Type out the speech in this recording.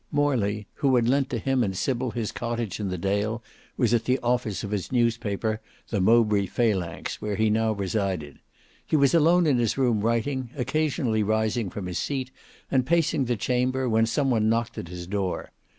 Morley, who had lent to him and Sybil his cottage in the dale, was at the office of his newspaper, the Mowbray Phalanx, where he now resided. He was alone in his room writing, occasionally rising from his seat and pacing the chamber, when some one knocked at his door.